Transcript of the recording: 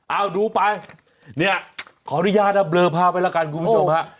เอาดูไปนี่ขออนุญาตเบลอภาพังค์ละกันคุณผู้ชมครับ